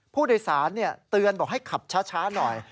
ผู้โดยสารเตือนบอกให้ขับช้าหน่อย